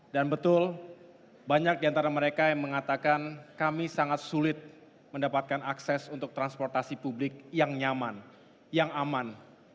dan betul banyak diantara mereka yang mengatakan kami sangat sulit mendapatkan akses untuk transportasi publik yang nyaman yang aman